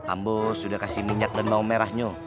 ambo sudah kasih minyak lenok merahnya